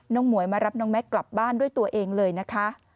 หมวยมารับน้องแม็กซ์กลับบ้านด้วยตัวเองเลยนะคะ